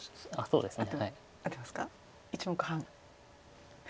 そうですね。